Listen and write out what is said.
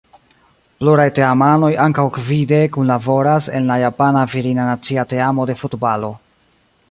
Pluraj teamanoj ankaŭ gvide kunlaboras en la japana virina nacia teamo de futbalo.